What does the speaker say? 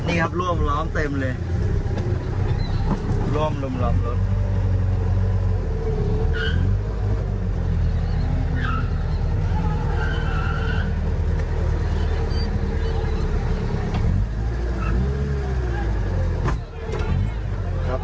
ดูกันเจ็บดูกันเจ็บ